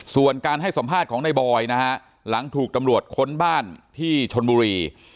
ส่วนการให้สัมภาษณ์ของในบอยนะฮะหลังถูกตำรวจค้นบ้านที่ชนบุรี